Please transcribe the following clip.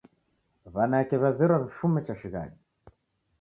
W'anake w'azerwa w'ifume cha shighadi